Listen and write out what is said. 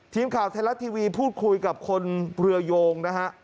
ทีมข่าวไทยรัฐทีวีพูดคุยกับคนเรือโยงนะฮะ